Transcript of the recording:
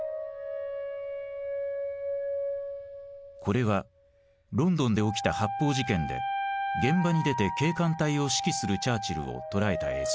これはロンドンで起きた発砲事件で現場に出て警官隊を指揮するチャーチルを捉えた映像である。